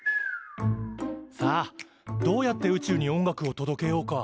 さあどうやって宇宙に音楽を届けようか？